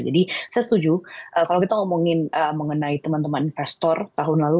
jadi saya setuju kalau kita ngomongin mengenai teman teman investor tahun lalu